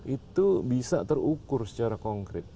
itu bisa terukur secara konkret